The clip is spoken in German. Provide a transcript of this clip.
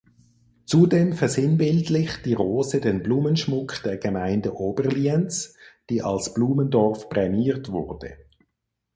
Zudem versinnbildlicht die Rose den Blumenschmuck der Gemeinde Oberlienz, die als Blumendorf prämiert wurde.